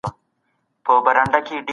د زعفرانو کروندې لیدل ډېر خوندور دي.